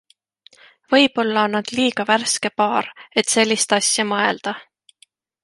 Võib-olla on nad liiga värske paar, et sellist asja mõelda.